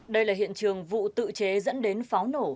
đây là hiện trường vụ tự chế dẫn đến pháo nổ